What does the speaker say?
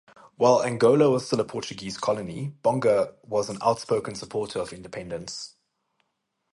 While Angola was still a Portuguese colony, Bonga was an outspoken supporter of independence.